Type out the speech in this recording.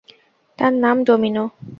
তার নাম ডমিনো।